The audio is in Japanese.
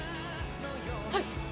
「はい」。